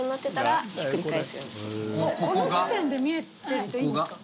この時点で見えてていいんですか。